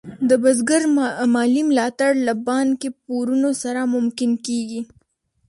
د بزګر مالي ملاتړ له بانکي پورونو سره ممکن کېږي.